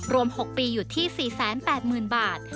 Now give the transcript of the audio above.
รวม๖ปีอยู่ที่๔๘๐๐๐บาท